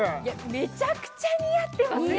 めちゃくちゃ似合ってますよ！